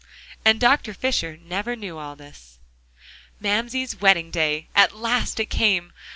And Dr. Fisher never knew all this. Mamsie's wedding day! At last it came!